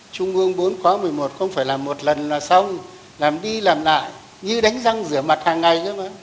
trung ương bốn khóa một mươi một không phải làm một lần là xong làm đi làm lại như đánh răng rửa mặt hàng ngày nữa